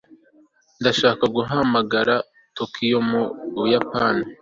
ndashaka guhamagara tokiyo, mu buyapani